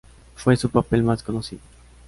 Fue su papel mas conocido.